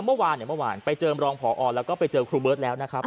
เมื่อวานเนี่ยเมื่อวานไปเจอรองพอแล้วก็ไปเจอครูเบิร์ตแล้วนะครับ